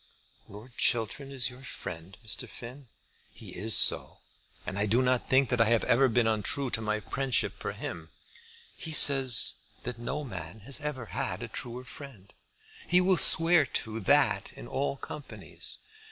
"Lord Chiltern is your friend, Mr. Finn?" "He is so, and I do not think that I have ever been untrue to my friendship for him." "He says that no man has ever had a truer friend. He will swear to that in all companies.